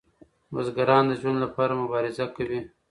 بزګران د ژوند لپاره مبارزه کوي.